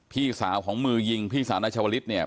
พี่สาวของมือยิงพี่สาวนายชาวลิศเนี่ย